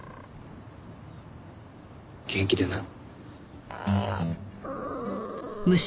元気でな。